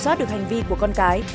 không soát được hành vi của con cái